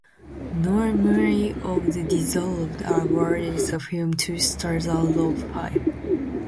Noel Murray of "The Dissolve" awarded the film two stars out of five.